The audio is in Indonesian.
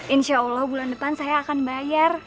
insya allah bulan depan saya akan bayar